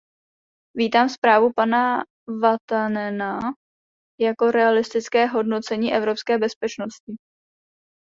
Vítám zprávu pana Vatanena jako realistické hodnocení evropské bezpečnosti.